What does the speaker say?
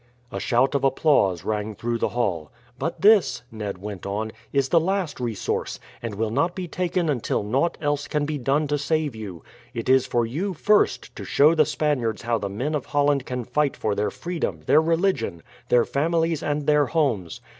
A shout of applause rang through the hall. "But this," Ned went on, "is the last resource, and will not be taken until nought else can be done to save you. It is for you, first, to show the Spaniards how the men of Holland can fight for their freedom, their religion, their families, and their homes.